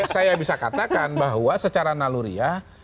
saya bisa katakan bahwa secara naluriah